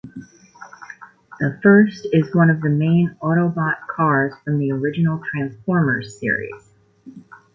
The first is one of the main Autobot cars from the original "Transformers" series.